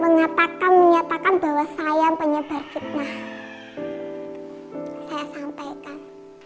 mereka tetap memaksa tetap mengatakan bahwa saya penyebar fitnah saya sampaikan